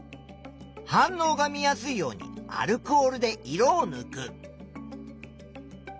反応が見やすいようにアルコールで色をぬく。